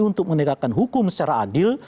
untuk menegakkan hukum secara adil